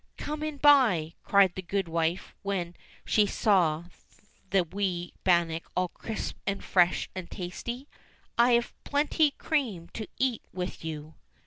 "Come in by," cried the goodwife when she saw the wee bannock all crisp and fresh and tasty, "I've plenty cream to eat with you."